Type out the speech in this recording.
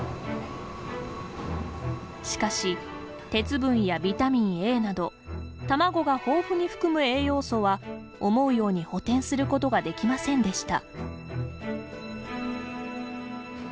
しかし、鉄分や、ビタミンＡなど卵が豊富に含む栄養素は思うように補てんすることができませんでした。